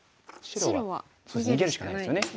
白は逃げるしかないですね。